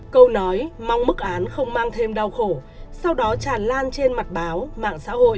câu nói mong mức án không mang thêm đau khổ sau đó tràn lan trên mặt báo mạng xã hội